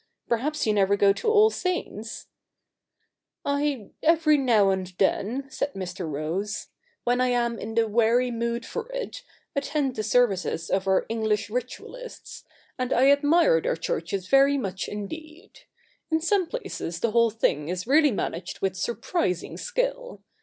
Perhaps you never go to All Saints' ?'' I every now and then,' said Mr. Rose, ' when I am in the weary mood for it, attend the services of our English Ritualists, and I admire their churches very much indeed. In some places the whole thing is really managed with surprising skill.